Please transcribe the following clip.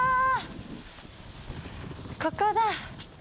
ここだ。